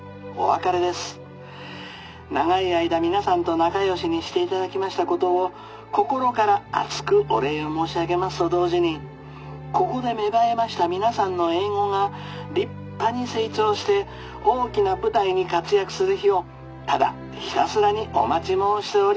長い間皆さんと仲よしにしていただきましたことを心から厚くお礼を申し上げますと同時にここで芽生えました皆さんの英語が立派に成長して大きな舞台に活躍する日をただひたすらにお待ち申しております。